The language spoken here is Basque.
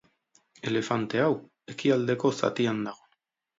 Elefante hau, ekialdeko zatian dago.